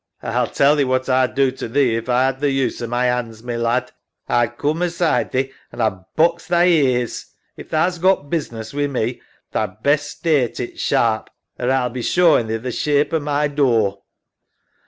SARAH. A'll tell thee what A'd do to thee if A 'ad the use o' my 'ands, my lad. A'd coom aside thee and A'd box thy ears. If tha's got business wi' me, tha'd best state it sharp or A'll be showin' thee the shape o' my door.